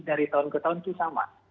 dari tahun ke tahun itu sama